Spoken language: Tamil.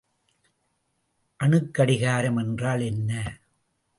அணுக் கடிகாரம் என்றால் என்ன?